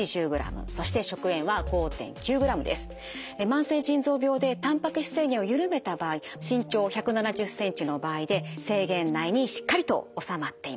慢性腎臓病でたんぱく質制限を緩めた場合身長１７０ｃｍの場合で制限内にしっかりと収まっています。